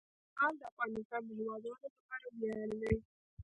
لعل د افغانستان د هیوادوالو لپاره ویاړ دی.